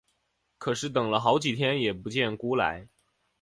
可是等了好几天也不见辜来。